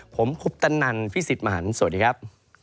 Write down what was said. ผมคุปตนันพี่สิทธิ์มหันฯสวัสดีครับ